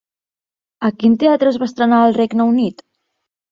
A quin teatre es va estrenar al Regne Unit?